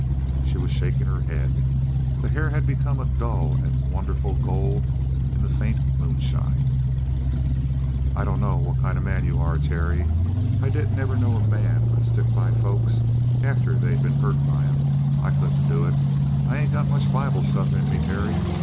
She was shaking her head; the hair had become a dull and wonderful gold in the faint moonshine. "I dunno what kind of a man you are, Terry. I didn't ever know a man could stick by folks after they'd been hurt by 'em. I couldn't do it. I ain't got much Bible stuff in me, Terry.